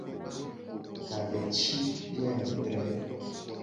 Ka ve ci wo adre.